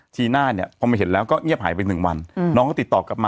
ทีหน้าเนี่ยพอมาเห็นแล้วก็เงียบหายไปหนึ่งวันน้องก็ติดต่อกลับมา